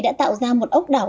đã tạo ra một ốc đảo